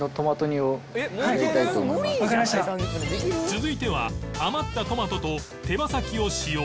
続いては余ったトマトと手羽先を使用